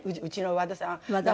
うちの和田さん。